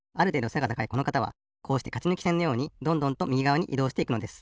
背が高いこのかたはこうしてかちぬきせんのようにどんどんとみぎがわにいどうしていくのです。